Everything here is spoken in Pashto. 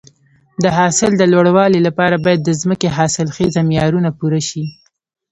د حاصل د لوړوالي لپاره باید د ځمکې حاصلخیزي معیارونه پوره شي.